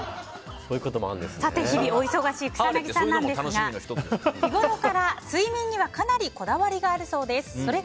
日々、お忙しい草なぎさんですが日ごろから睡眠にはかなりこだわりがあるそうです。